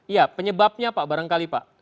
ya penyebabnya pak barangkali pak